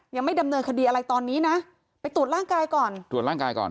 ยังไม่ดำเนินคดีอะไรตอนนี้นะไปตรวจร่างกายก่อนตรวจร่างกายก่อน